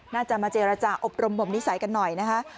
น่าจะมาเจรจาอบรมบมนิสัยกันหน่อยนะคะ